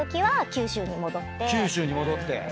九州に戻って。